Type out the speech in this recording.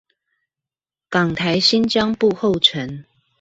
港台新彊步後塵